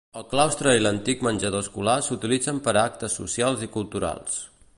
El claustre i l'antic menjador escolar s'utilitzen per a actes socials i culturals.